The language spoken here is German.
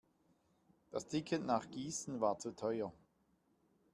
Das Ticket nach Gießen war zu teuer